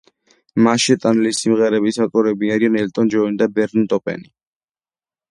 მასში შეტანილი სიმღერების ავტორები არიან ელტონ ჯონი და ბერნი ტოპენი.